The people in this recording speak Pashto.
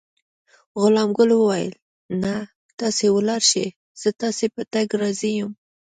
غلام ګل وویل: نه، تاسې ولاړ شئ، زه ستاسي په تګ راضي یم.